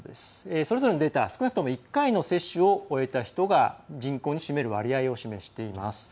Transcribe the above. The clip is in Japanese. それぞれのデータ、少なくとも１回の接種を終えた人が人口に占める割合を示しています。